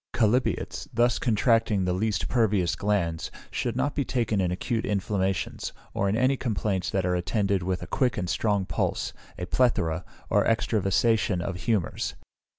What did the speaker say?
Chalybeates, thus contracting the least pervious glands, should not be taken in acute inflammations, or in any complaints that are attended with a quick and strong pulse, a plethora, or extravasation of humours.